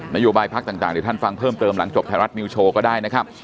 โยบายพักต่างเดี๋ยวท่านฟังเพิ่มเติมหลังจบไทยรัฐนิวโชว์ก็ได้นะครับ